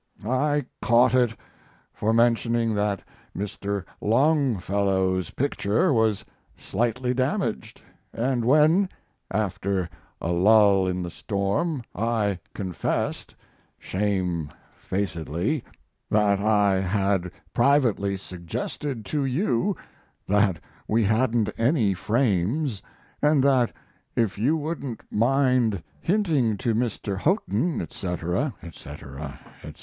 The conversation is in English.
I "caught it" for mentioning that Mr. Longfellow's picture was slightly damaged; and when, after a lull in the storm, I confessed, shamefacedly, that I had privately suggested to you that we hadn't any frames, and that if you wouldn't mind hinting to Mr. Houghton, etc., etc., etc.